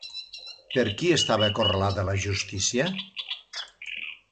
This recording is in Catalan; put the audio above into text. Per qui estava acorralada la Justícia?